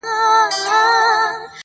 o خوريى د ماما د مېني لېوه دئ٫